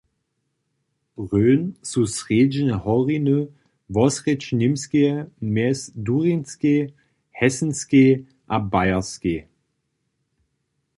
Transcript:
Rhön su srjedźne horiny wosrjedź Němskeje mjez Durinskej, Hessenskej a Bayerskej.